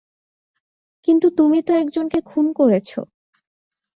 কিন্তু তুমি তো একজনকে খুন করেছো।